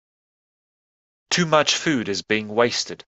Too much food is being wasted.